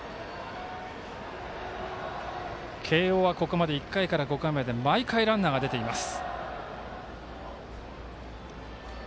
慶応はここまで１回から５回まで毎回ランナーが出ています。